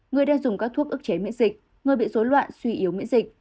người đang dùng các thuốc ức chế miễn dịch người bị dối loạn suy yếu miễn dịch